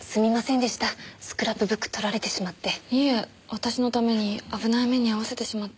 私のために危ない目に遭わせてしまって。